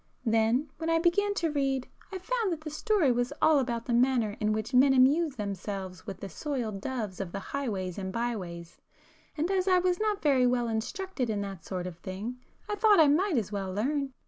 Then when I began to read, I found that the story was all [p 307] about the manner in which men amuse themselves with the soiled doves of the highways and bye ways,—and as I was not very well instructed in that sort of thing, I thought I might as well learn!